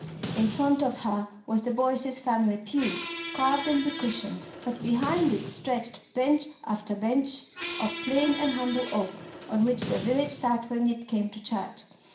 In front of her was the Boyces' family pew, carved and becushioned, but behind it stretched bench after bench of plain and humble oak, on which the village sat when it came to church.